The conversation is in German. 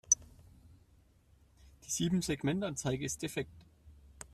Die Siebensegmentanzeige ist defekt.